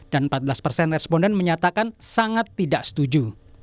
dan empat belas responden menyatakan sangat tidak setuju